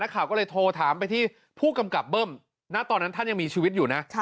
ข่าวก็เลยโทรถามไปที่ผู้กำกับเบิ้มณตอนนั้นท่านยังมีชีวิตอยู่นะ